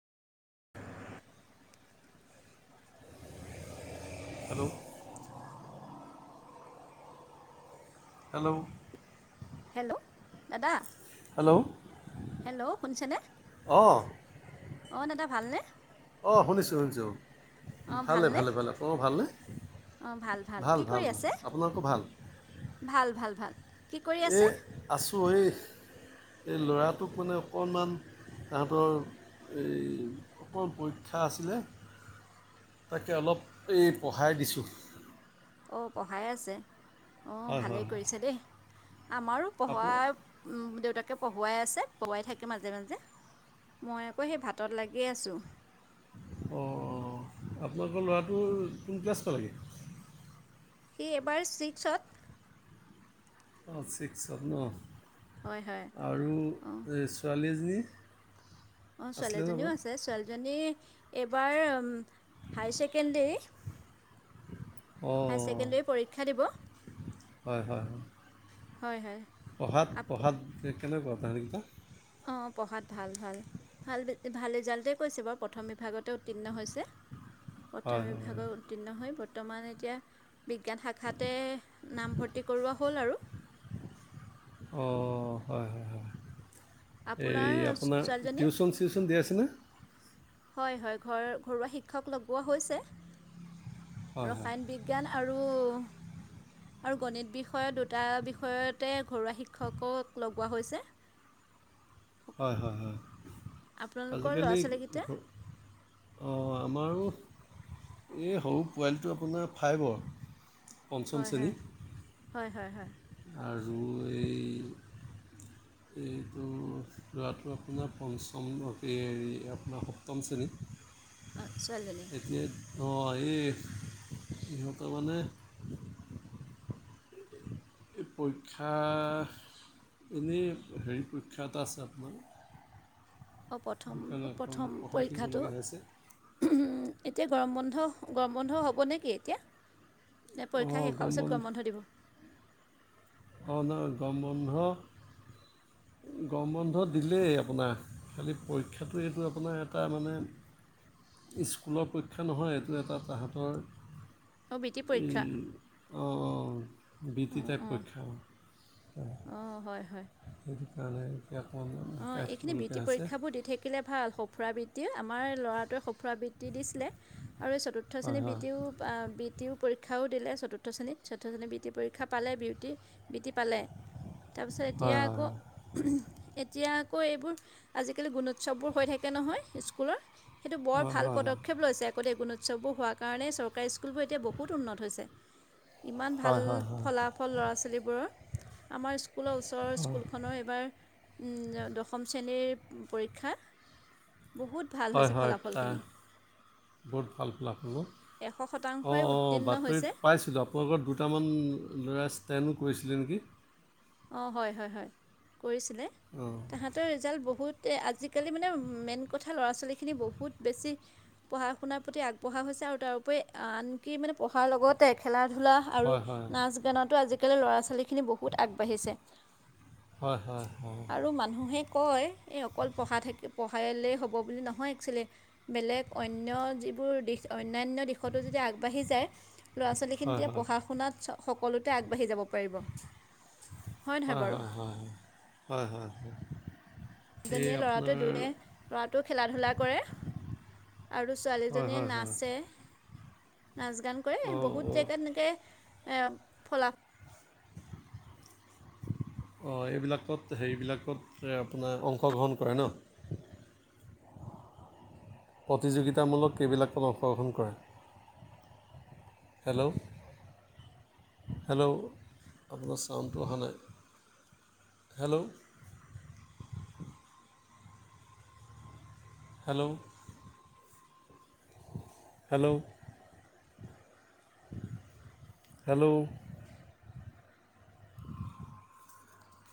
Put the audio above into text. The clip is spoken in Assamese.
হেল্ল' হেল্ল' হেল্ল' দাদা। হেল্ল' হেল্ল' শুনিছেনে অঁ অ দাদা ভালনে। অ শুনিছোঁ শুনিছোঁ, অঁ ভালে ভালনে ভালে ভালে অ ভালনে। অঁ ভাল কি ভাল কৰি ভাল আছে আপোনালোকৰ ভাল। ভাল ভাল ভাল। কি কৰি আছে এই আছোঁ এই এই ল'ৰাটোক মানে অকণমান তাহাঁতৰ এই অকল পৰীক্ষা আছিলে। তাকে অলপ এই পঢ়াই দিছোঁ। অ পঢ়াই আছে অ হয় হয় ভালেই হয় কৰিছে দেই আমাৰো পঢ়া আপোনাৰ উম দেউতাকে পঢ়োৱাই আছে, পঢ়োৱাই থাকে মাজে মাজে। মই আকৌ সেই ভাতত লাগি আছোঁ। অ অ আপোনালোকৰ ল'ৰাটোৰ কোন ক্লাছ পালেগে। সি এবাৰ ছিক্সত। অ ছিক্সত ন হয় হয় আৰু অঁ ছোৱালী জনী। অ ছোৱালীজনীও আছে ছোৱালী ছোৱালী এইবাৰ হাই ছেকেণ্ডাৰী। হাই অঁ ছেকেণ্ডাৰী পৰীক্ষা দিব। হয় হয় হয়। হয় হয়। পঢ়াত আপ পঢ়াত কেনেকুৱা তাহেনকেইটা। অঁ পঢ়াত ভাল ভাল। ভাল ভাল ৰিজাল্টেই কৰিছে বাৰু প্ৰথম বিভাগতে উত্তীৰ্ণ হৈছে। প্ৰথম হয় হয় বিভাগত হয় উত্তীৰ্ণ হৈ বৰ্তমান এতিয়া বিজ্ঞান শাখাতে নামভৰ্তি কৰোৱা হ'ল আৰু। অঁ হয় হয় হয়, হেৰি আপোনাৰ আপোনাৰ ছোৱালীজনী টিউচন-চিউচন দিয়া আছেনে? হয় হয় ঘৰ ঘৰুৱা শিক্ষক লগোৱা হৈছে হয় হয় ৰসায়ন বিজ্ঞা বিজ্ঞান আৰু আৰু গণিত বিষয় দুটা বিষয়তে ঘৰুৱা শিক্ষকক লগোৱা হৈছে। হয় হয় হয় আপোনালোকৰ ল'ৰা আজিকালি ছোৱালীকেইটা ঘ অঁ আমাৰো। এই সৰু পোৱালিটো আপোনাৰ ফাইভৰ। পঞ্চম হয় শ্ৰেণী হয় হয় হয় হয়। আৰু এই [inaudible] এইটো ল'ৰাটো আপোনাৰ পঞ্চম হেৰি আপোনাৰ সপ্তম শ্ৰেণীত। অ ছোৱালীজনী। এ অ এই ইহঁতৰ মানে এই পৰীক্ষা এনেই হেৰি পৰীক্ষা এটা আছে আপোনাৰ। অঁ প্ৰথম সেইকাৰণে অকণ প্ৰথম পঢ়াই পৰীক্ষাটো। থাকিবলগীয়া হৈছে এতিয়া গৰম বন্ধ গৰম বন্ধ হ'ব নেকি এতিয়া? নে পৰীক্ষা শেষ হোৱাৰ পিছত গৰম বন্ধ দিব? অঁ নহয় গৰম বন্ধ গৰম বন্ধ দিলেই আপোনাৰ। খালী পৰীক্ষাটোৱে এইটো আপোনাৰ এটা মানে স্কুলৰ পৰীক্ষা নহয় এইটো এটা তাহাঁতৰ অঁ বৃত্তি এই পৰীক্ষা। অঁ অ বৃত্তি অঁ টাইপ অঁ পৰীক্ষা। অঁ হয় হয় সেইটো কাৰণে এতিয়া অকণমান অঁ এইখিনি বৃত্তি লিখিবলগীয়া হৈছে। পৰীক্ষাবোৰ দি থাকিলে ভাল সঁফুৰা বৃত্তি আমাৰ ল'ৰাটোৱে সঁফুৰা বৃত্তি দিছিলে আৰু এই চুতুৰ্থ চতুৰ্থ হয় শ্ৰেণী হয় বৃতিও বিত্ত পৰীক্ষাও দিলে চতুৰ্থ শ্ৰেণীত চতুৰ্থ শ্ৰেণীত বিত্ত পৰীক্ষা পালে বিউটি বিত্ত পালে তাৰপিছত এতিয়া আকৌ হয় এতিয়া আকৌ এইবোৰ আজিকালি গুণোৎসৱ বোৰ হৈ থাকে নহয় স্কুলৰ সেইটো বৰ হয় হয় ভাল হয় পদক্ষেপ লৈছে। লগতে গুণোৎসৱবোৰ হোৱাৰ কাৰণে চৰকাৰী স্কুলবোৰ এতিয়া বহুত উন্নত হৈছে। ইমান ভাল হয় হয় হয় হয় ফলাফল ল'ৰা ছোৱালীবোৰৰ আমাৰ স্কুলৰ ওচৰত ওচৰ স্কুলখনৰ এইবাৰ দশম শ্ৰেণীৰ পৰীক্ষা বহুত ভাল হয় হয় হৈছে হয় তাৰ ফলাফলখিনি। বহুত ভাল ফলা ফল হ'ল এশ অঁ শতাংশই অঁ উত্তীৰ্ণ বাতৰিত হৈছে পাইছিলোঁ আপো আগত দুটামান ল'ৰাই ষ্টেণ্ড কৰিছিলে নেকি। অঁ হয় হয় হয় কৰিছিলে অঁ তাহাঁতৰ ৰিজাল্ট বহুত আজিকালি মানে মেইন কথা ল'ৰা ছোৱালীখিনি বহুত বেছি পঢ়া শুনাৰ প্ৰতি আগবঢ়া হৈছে আৰু তাৰোপৰি আনকি মানে পঢ়াৰ লগতে খেলা ধূলা। আৰু হয় হয় নাচ গানতো আজিকালি ল'ৰা ছোৱালী খিনি বহুত আগবাঢ়িছে। হয় হয় হয়। আৰু মানুহে কয় এই অকল পঢ়া থাকি পঢ়ালেই হ'ব বুলি নহয় এক্সোৱেলি, বেলেগ অন্য যিবোৰ দিশ অন্যান্য দিশতো যদি আগবাঢ়ি যায়, ল'ৰা হয় হয় ছোৱালীখিনিতে পঢ়া হয় শুনাত সকলোতে আগবাঢ়ি যাব পাৰিব। নহয় হয় বাৰু হয় হয় হয় হয় হয়। এই দুজনীয়ে আপোনাৰ লৰাটোৱ দুয়োটাই লৰাটো খেলা ধূলা কৰে, আৰু হয় ছোৱালীজনীয়ে হয় হয় নাচে। নাচ গান কৰে অঁ বহুত অঁ জেগাত এনেকে এ ফলাফ, অঁ এইবিলাকত হেৰিবিলাকত আপোনাৰ অংশগ্ৰহণ কৰে ন, প্ৰতিযোগিতামূলক কেইবিলাক ত অংশগ্ৰহণ কৰে। হেল্লো হেলো', আপোনাৰ চাউণ্ডটো অহা নাই, হেল্ল' হেল্লো হেল্লো হেল্লো